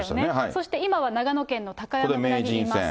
そして今は長野県の高山村にいます。